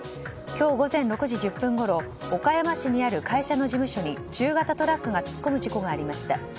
今日午前６時１０分ごろ岡山市にある会社の事務所に中型トラックが突っ込み事故がありました。